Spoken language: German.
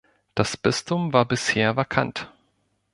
Das Bistum war bisher vakant.